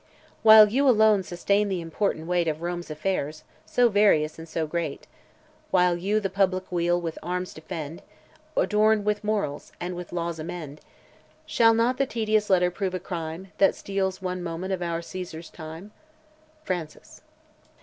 While you alone sustain the important weight Of Rome's affairs, so various and so great; While you the public weal with arms defend, Adorn with morals, and with laws amend; Shall not the tedious letter prove a crime, That steals one moment of our Caesar's time. Francis.